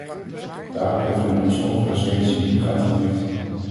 Daarop heeft men ons overigens reeds in juli geattendeerd.